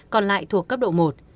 còn lại thuộc cấp độ một